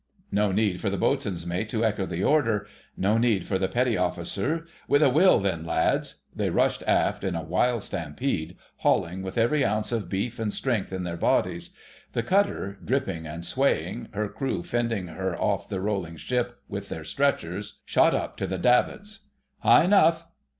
_" No need for the Boatswain's Mate to echo the order; no need for the Petty Officers' "With a will, then, lads!" They rushed aft in a wild stampede, hauling with every ounce of beef and strength in their bodies. The cutter, dripping and swaying, her crew fending her off the rolling ship with their stretchers, shot up to the davits. "High 'nough!"